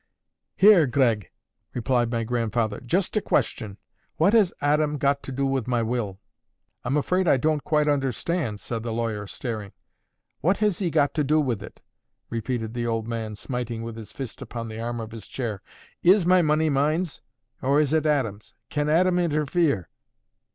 "Here, Gregg," cried my grandfather. "Just a question: What has Aadam got to do with my will?" "I'm afraid I don't quite understand," said the lawyer, staring. "What has he got to do with it?" repeated the old man, smiting with his fist upon the arm of his chair. "Is my money mine's, or is it Aadam's? Can Aadam interfere?"